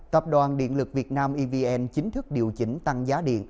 tập đoàn điện lực việt nam evn chính thức điều chỉnh tăng giá điện